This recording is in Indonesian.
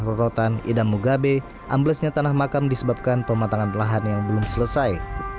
rorotan idam mugabe amblesnya tanah makam disebabkan pematangan lahan yang belum selesai